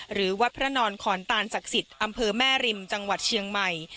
หรือวัดพระนอนขอนตานศักดิ์สิทธิ์อำเภอแม่ริมจังหวัดเชียงใหม่